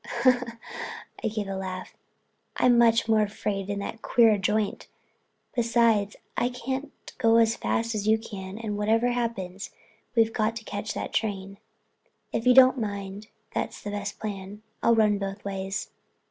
I gave a laugh. "I'm much more afraid in that queer joint. Besides, I can't go as fast as you can and whatever happens we've got to catch that train." "If you don't mind that's the best plan. I'll run both ways."